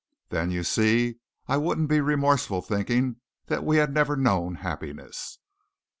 Then you see I wouldn't be remorseful thinking that we had never known happiness."